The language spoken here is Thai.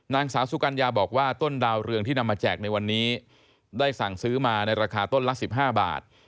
นางสาวสุกัญญาบอกว่าต้นดาวเรืองที่นำมาแจกในวันนี้ได้สั่งซื้อมาในราคาต้นละ๑๕บาท